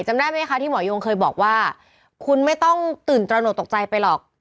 จำได้ไหมคะที่หมอยงเคยบอกว่าคุณไม่ต้องตื่นตระหนกตกใจไปหรอก